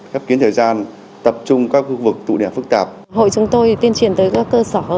hội chúng tôi tiên truyền tới các cơ sở